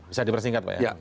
bisa dipersingkat pak ya